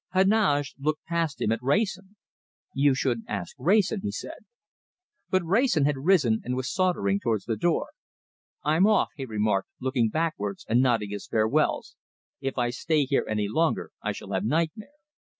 Heneage looked past him at Wrayson. "You should ask Wrayson," he said. But Wrayson had risen, and was sauntering towards the door. "I'm off," he remarked, looking backwards and nodding his farewells. "If I stay here any longer, I shall have nightmare.